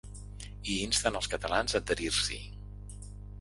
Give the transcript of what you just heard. I insten els catalans a adherir-s’hi.